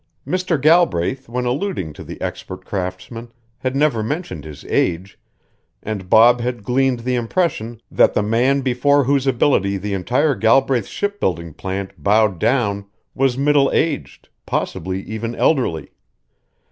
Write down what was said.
Mr. Galbraith, when alluding to the expert craftsman, had never mentioned his age, and Bob had gleaned the impression that the man before whose ability the entire Galbraith shipbuilding plant bowed down was middle aged, possibly even elderly.